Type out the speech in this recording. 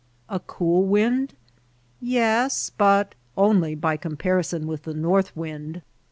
A cool wind ? Yes, but only by com parison with the north wind.